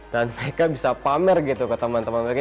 dan mereka bisa pamer gitu ke teman teman mereka